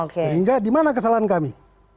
sehingga dimana kesalahan kami